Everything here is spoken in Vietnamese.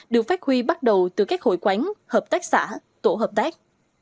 được phát huy bắt đầu từ các hội quán hợp tác xã tổ hợp tác